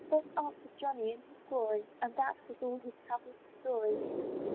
Thus answered Johnny in his glory, And that was all his travel's story.